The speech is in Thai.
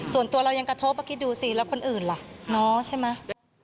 ส่วนตัวเรายังกระโทษเมื่อกี้ดูสิแล้วคนอื่นล่ะใช่ไหม